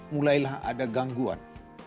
mulailah ada gangguan